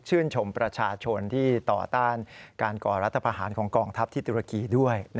ชมประชาชนที่ต่อต้านการก่อรัฐพาหารของกองทัพที่ตุรกีด้วย